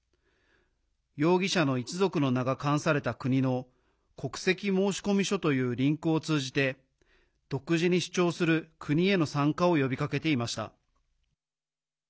容疑者の一族の名が冠された国の国籍申込書というリンクを通じて独自に主張する国への参加を呼びかけていました。